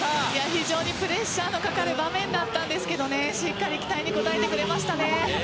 非常にプレッシャーのかかる場面でしたがしっかり期待に応えてくれましたね。